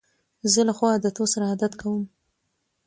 زه له ښو عادتو سره عادت کوم.